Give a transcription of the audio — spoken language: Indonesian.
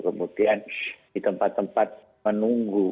kemudian di tempat tempat menunggu